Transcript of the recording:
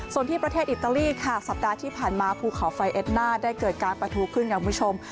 ส่วนที่ประเทศอิตาลีค่ะสัปดาห์ที่ผ่านมาภูเขาไฟเอ็ดน่าได้เกิดการประทูขึ้นค่ะคุณผู้ชม